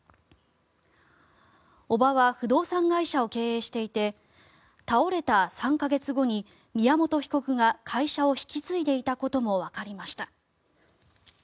叔母は不動産会社を経営していて倒れた３か月後に宮本被告が会社を引き継いでいたこともわかりました。